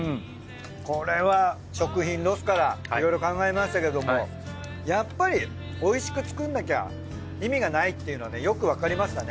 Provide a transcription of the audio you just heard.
これは食品ロスからいろいろ考えましたけどもやっぱりおいしく作らなきゃ意味がないっていうのがよくわかりましたね。